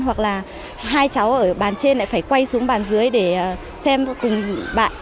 hoặc là hai cháu ở bàn trên lại phải quay xuống bàn dưới để xem cho cùng bạn